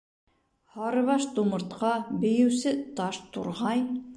Һарыбаш Тумыртҡа, Бейеүсе Таш Турғай...